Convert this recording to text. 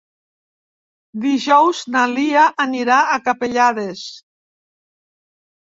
Dijous na Lia anirà a Capellades.